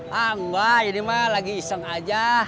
mbak mbak ini mbak lagi iseng aja